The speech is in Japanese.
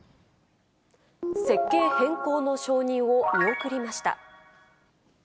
設計変更の承認を見送りました。